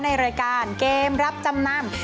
ในรายการเกมรับจำนำ